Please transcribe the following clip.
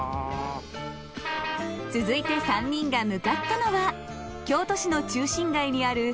続いて３人が向かったのは京都市の中心街にある最後の目的地。